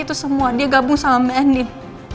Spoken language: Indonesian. itu semua dia gabung sama mbak andin